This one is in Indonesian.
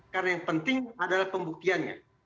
karena yang penting adalah pembuktiannya